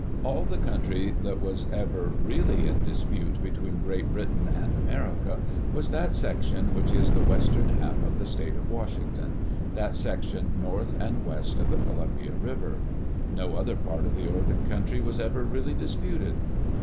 All the country that was ever really in dispute between Great Britain and America was that section which is the western half of the state of Washington — that section north and west of the Columbia River. No other part of the Oregon country was ever really disputed.